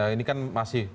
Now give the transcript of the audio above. ini kan masih